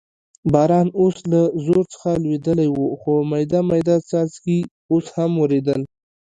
باران اوس له زور څخه لوېدلی و، خو مېده مېده څاڅکي اوس هم ورېدل.